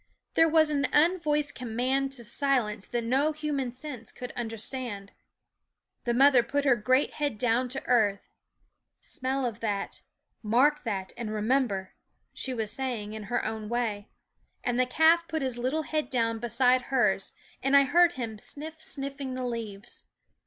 There was an unvoiced command to silence that no human sense could understand. The mother put her great head down to earth " Smell of that ; mark that, and re member," she was saying in her own way; and the calf put his little head down beside *>. hers, and I heard him sniff sniffing the leaves.